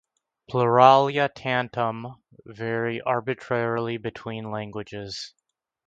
"Pluralia tantum" vary arbitrarily between languages.